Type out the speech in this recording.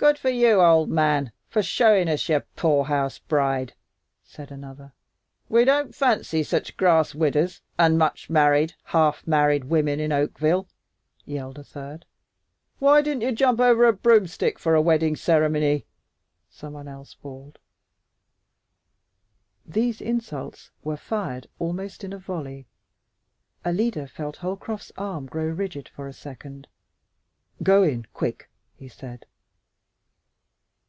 "Good for you, old man, for showin' us your poorhouse bride," said another. "We don't fancy such grass widders, and much married, half married women in Oakville," yelled a third. "Why didn't yer jump over a broomstick for a weddin' ceremony?" someone else bawled. These insults were fired almost in a volley. Alida felt Holcroft's arm grow rigid for a second. "Go in, quick!" he said.